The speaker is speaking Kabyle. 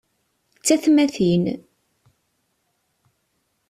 D tatmatin.